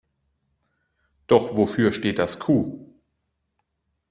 Doch wofür steht das Q?